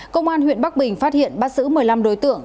công an huyện bắc bình phát hiện bắt giữ một mươi năm đối tượng